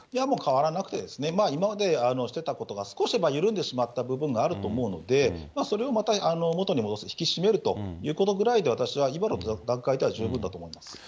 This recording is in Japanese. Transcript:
もう変わらなくてですね、今までしてたことが少し緩んでしまった部分があると思うので、それをまた元に戻す、引き締めるということぐらいで、私は今の段階では十分だと思います。